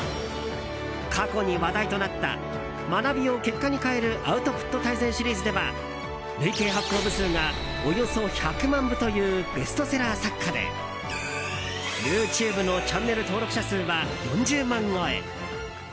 過去に話題となった「学びを結果に変えるアウトプット大全」シリーズでは累計発行部数がおよそ１００万部というベストセラー作家でＹｏｕＴｕｂｅのチャンネル登録者数は４０万超え。